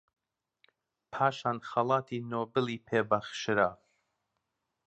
پاشان خەڵاتی نۆبێلی پێ بەخشرا